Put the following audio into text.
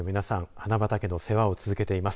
花畑の世話を続けています。